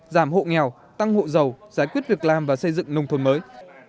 giảm hộ nghèo tăng hộ giàu giải quyết việc làm và xây dựng nông thôn mới